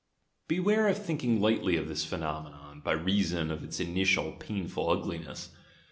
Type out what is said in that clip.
Beware of thinking lightly of this phenomenon, by rea son of its initial painful ugliness.